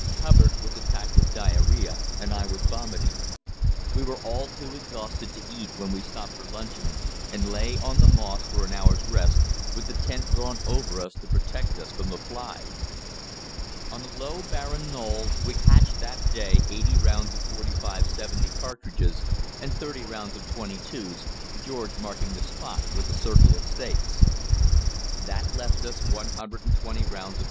Hubbard was attacked with diarrhoea, and I with vomiting. We were all too exhausted to eat when we stopped for luncheon, and lay on the moss for an hour's rest, with the tent drawn over us to protect us from the flies. On a low, barren knoll we cached that day eighty rounds of .45 70 cartridges and 300 rounds of .22's, George marking the spot with a circle of stakes. That left us 120 rounds of .